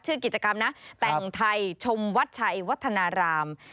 ชื่อกิจกรรมนะแต่งไทยชมวัดชัยวัฒนาราม